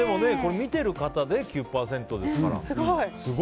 見てる方で９％ですから。